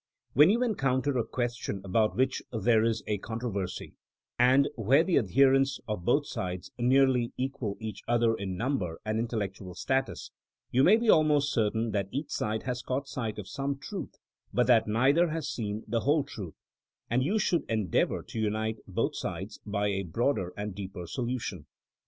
When you encounter a question about which there is a controversy, and where the adherents of both sides nearly equal each other in number and intellectual status, you may be almost cer tain that each side has caught sight of some truth, but that neither has seen the whole truth ; and you should endeavor to unite both sides by a broader and deeper solution.